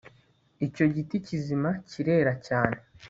Icyo giti kizima kirera cyane